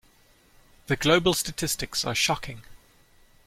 The global statistics are shocking.